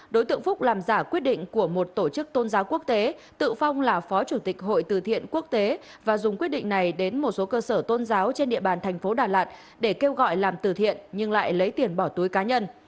đối tượng phúc làm giả quyết định của một tổ chức tôn giáo quốc tế tự phong là phó chủ tịch hội từ thiện quốc tế và dùng quyết định này đến một số cơ sở tôn giáo trên địa bàn thành phố đà lạt để kêu gọi làm từ thiện nhưng lại lấy tiền bỏ túi cá nhân